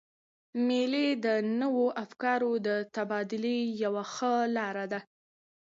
مېلې د نوو افکارو د تبادلې یوه ښه لاره ده.